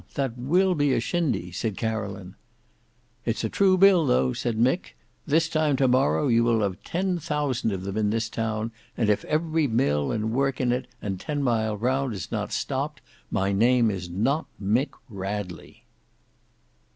"Well, that will be a shindy!" said Caroline. "It's a true bill, though," said Mick. "This time to morrow you will have ten thousand of them in this town, and if every mill and work in it and ten mile round is not stopped, my name is not MICK RADLEY!"